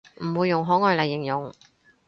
唔會用可愛嚟形容